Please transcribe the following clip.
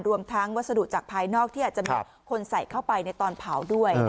รวมทั้งวัสดุจากภายนอกที่อาจจะมีคนใส่เข้าไปในตอนเผาด้วย